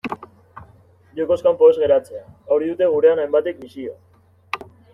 Jokoz kanpo ez geratzea, hori dute gurean hainbatek misio.